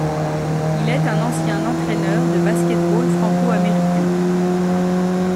Il est un ancien entraîneur de basket-ball franco-américain.